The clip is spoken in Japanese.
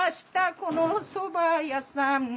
このそば屋さん